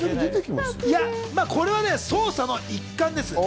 これは捜索の一環です。